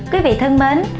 quý vị thân mến